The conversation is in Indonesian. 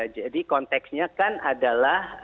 jadi konteksnya kan adalah